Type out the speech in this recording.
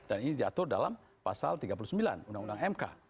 dan ini diatur dalam pasal tiga puluh sembilan undang undang mk